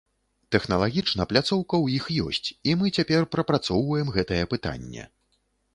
Тэхналагічна пляцоўка ў іх ёсць, і мы цяпер прапрацоўваем гэтае пытанне.